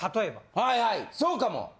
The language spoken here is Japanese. はいはいそうかも！